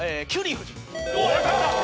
よかった！